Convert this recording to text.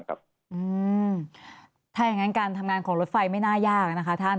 ถ้าอย่างนั้นการทำงานของรถไฟไม่น่ายากนะคะท่าน